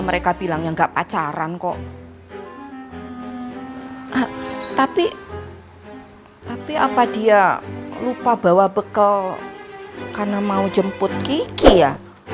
mereka bilangnya enggak pacaran kok tapi tapi apa dia lupa bawa bekal karena mau jemput kiki ya